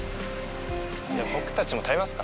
僕たちも食べますか？